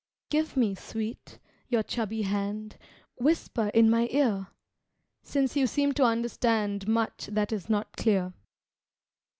Give me, sweet, your chubby hand, Whisper in my ear, Since you seem to understand Much that is not clear.